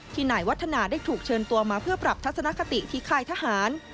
นายวัฒนาได้ถูกเชิญตัวมาเพื่อปรับทัศนคติที่ค่ายทหาร